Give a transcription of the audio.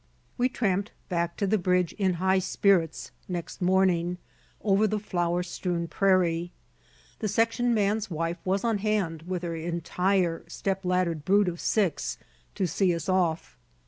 We tramped back to the bridge in high spirits next morning, over the flower strewn prairie. The section man's wife was on hand, with her entire step laddered brood of six, to see us off.